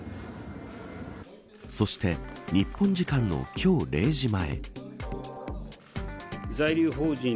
そして、日本時間の今日０時前。